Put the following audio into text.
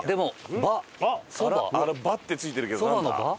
「ば」って付いてるけどなんだ？